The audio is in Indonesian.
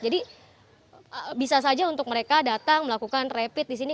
jadi bisa saja untuk mereka datang melakukan rapid di sini